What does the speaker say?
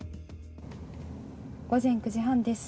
午前９時半です。